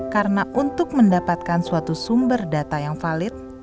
karena untuk mendapatkan suatu sumber data yang valid